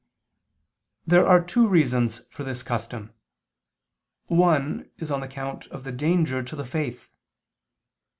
There are two reasons for this custom. One is on account of the danger to the faith.